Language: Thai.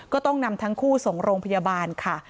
ก็ต้องนำทั้งคู่ส่งโรงพยาบาลค่ะ